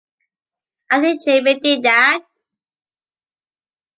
I think Jamie did that.